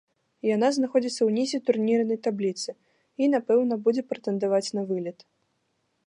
Яна знаходзіцца ўнізе турнірнай табліцы і, напэўна, будзе прэтэндаваць на вылет.